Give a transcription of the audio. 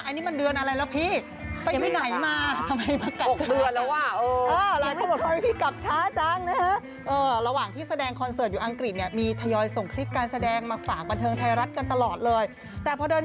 อันนี้มันเดือนอะไรแล้วพี่